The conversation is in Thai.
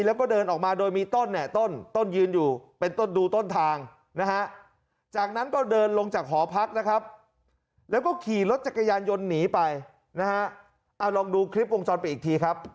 แล้วขี่รถจักรยานยนต์หนีไปนะฮะลองดูคลิปวงจรปิดทีครับ